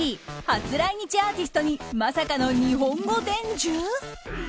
初来日アーティストにまさかの日本語伝授？